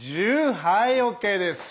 はいＯＫです。